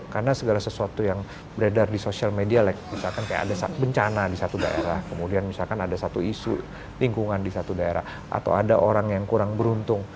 karena segala sesuatu yang beredar di sosial media misalkan kayak ada bencana di satu daerah kemudian misalkan ada satu isu lingkungan di satu daerah atau ada orang yang kurang beruntung